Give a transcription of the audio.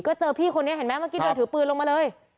ก็เจอพี่คนนี้เห็นไหมเมื่อกี้เดินถือปืนลงมาเลย